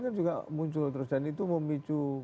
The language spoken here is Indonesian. kan juga muncul terus dan itu memicu